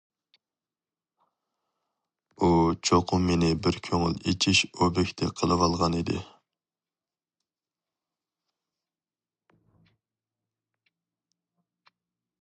ئۇ چوقۇم مېنى بىر كۆڭۈل ئېچىش ئوبيېكتى قىلىۋالغان ئىدى.